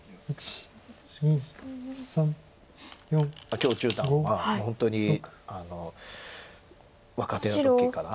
許十段はもう本当に若手の時から。